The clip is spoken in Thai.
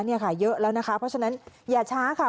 เนี่ยค่ะเยอะแล้วนะคะเพราะฉะนั้นอย่าช้าค่ะ